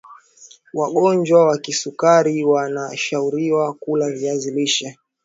wagonjwa wa kisukari wana shauriwa kula viazi lishe